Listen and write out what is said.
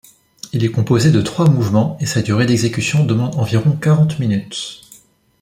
Il est composé de trois mouvements et sa durée d'exécution demande environ quarante minutes.